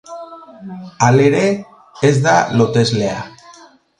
Halere, ez da loteslea.